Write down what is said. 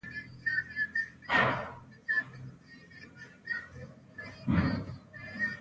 د څو کمېشن په اسره یې پر هټیوال وسپارلو.